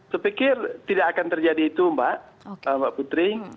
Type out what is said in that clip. tepikir tidak akan terjadi itu mbak putri